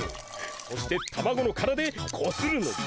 そしてたまごの殻でこするのじゃ。